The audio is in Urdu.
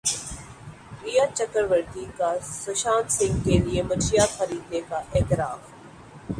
ریا چکربورتی کا سشانت سنگھ کے لیے منشیات خریدنے کا اعتراف